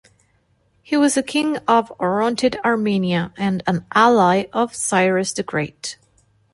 He was a king of Orontid Armenia and an ally of Cyrus the Great.